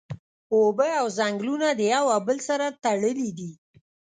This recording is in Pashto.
اوبه او ځنګلونه د یو او بل سره تړلی دی